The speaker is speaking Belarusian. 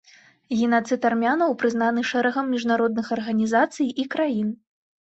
Генацыд армянаў прызнаны шэрагам міжнародных арганізацый і краін.